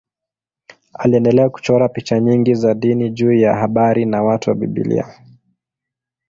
Aliendelea kuchora picha nyingi za dini juu ya habari na watu wa Biblia.